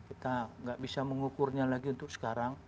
kita nggak bisa mengukurnya lagi untuk sekarang